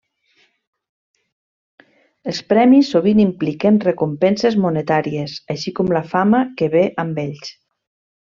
Els premis sovint impliquen recompenses monetàries, així com la fama que ve amb ells.